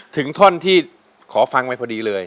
ถึงท่อนที่ขอฟังไว้พอดีเลย